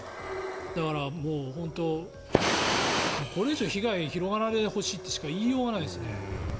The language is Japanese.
だからもう本当、これ以上被害が広がらないでほしいとしか言いようがないですね。